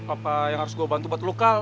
apa yang harus gue bantu buat lo kal